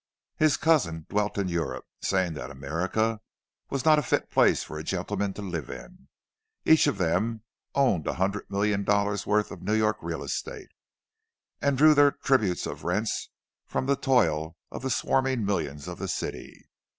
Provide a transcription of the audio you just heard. His cousin dwelt in Europe, saying that America was not a fit place for a gentleman to live in. Each of them owned a hundred million dollars' worth of New York real estate, and drew their tribute of rents from the toil of the swarming millions of the city.